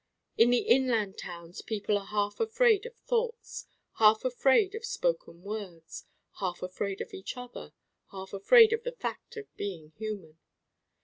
In the inland towns people are half afraid of thoughts, half afraid of spoken words, half afraid of each other, half afraid of the fact of being human.